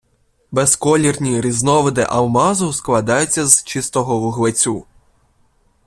Безколірні різновиди алмазу складаються з чистого вуглецю.